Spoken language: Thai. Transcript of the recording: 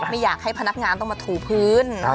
ไม่อยากให้พนักงานต้องมาถูพื้น